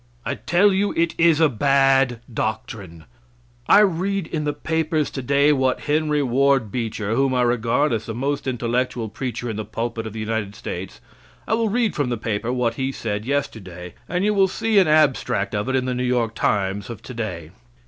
I tell you it is a bad doctrine. I read in the papers today what Henry Ward Beecher, whom I regard as the most intellectual preacher in the pulpit of the United States I will read from the paper what he said yesterday, and you will see an abstract of it in the New York Times of today.